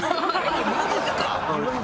マジっすか！？